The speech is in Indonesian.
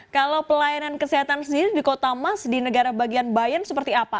kalau pelayanan kesehatan sendiri di kota mas di negara bagian bayern seperti apa